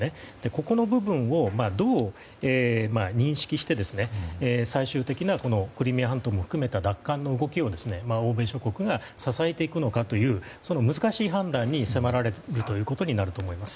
ここの部分を、どう認識して最終的なクリミア半島も含めた奪還の動きを欧米諸国が支えていくのかというその難しい判断を迫られることになると思います。